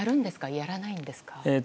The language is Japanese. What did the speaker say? やらないんですか。